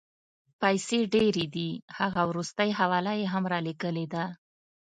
پیسې ډېرې دي، هغه وروستۍ حواله یې هم رالېږلې ده.